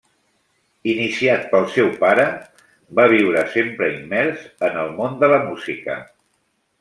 Iniciat pel seu pare, va viure sempre immers en el món de la música.